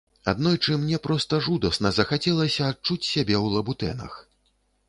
Аднойчы мне проста жудасна захацелася адчуць сябе ў лабутэнах.